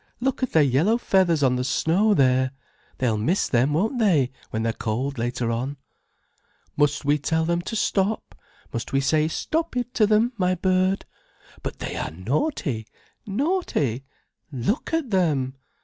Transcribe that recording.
Look at their yellow feathers on the snow there! They'll miss them, won't they, when they're cold later on. "Must we tell them to stop, must we say 'stop it' to them, my bird? But they are naughty, naughty! Look at them!"